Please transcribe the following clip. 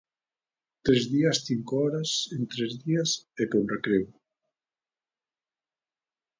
Tres días, cinco horas en tres días e con recreo.